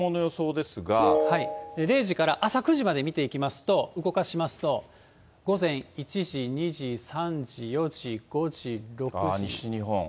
０時から朝９時まで見ていきますと、動かしますと、午前１時、２時、３時、西日本。